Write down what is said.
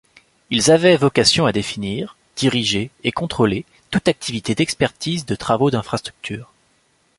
Ils avaient vocation à définir, diriger et contrôler toute activité d'expertise de travaux d'infrastructure.